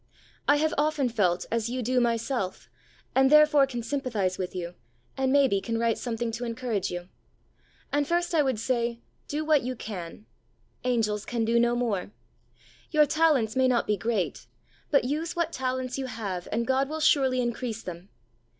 I have often felt as you do myself, and therefore can sympathise with you, and may be can write something to encourage you. And first I would say, do what you can, " Angels can do no more." Your talents may not be great, but use what talents you have and God will surely increase them.